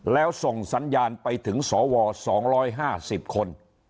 แล้วส่งสัญญาณไปถึงสว๒๕๐คน